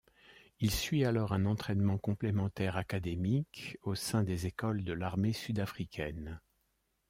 Il suit alors un entrainement complémentaire académique au sein des écoles de l'armée sud-africaine.